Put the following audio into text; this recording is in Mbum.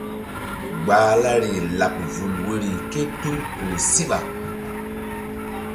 Gbahlari laɓ vul woyri ké tul kpuh síɓa.